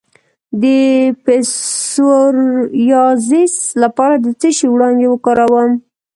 د پسوریازیس لپاره د څه شي وړانګې وکاروم؟